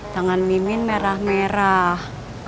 tangan mimin merah merah